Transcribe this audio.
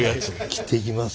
切っていきます。